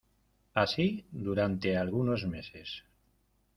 Así durante algunos meses.